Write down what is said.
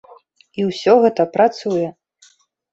І ўсё гэта працуе!